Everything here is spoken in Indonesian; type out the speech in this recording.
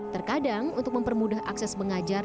terkadang untuk mempermudah akses mengajar